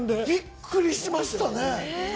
びっくりしましたね。